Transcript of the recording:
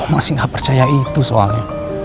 masih gak percaya itu soalnya